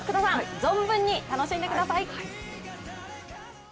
存分に楽しんでください。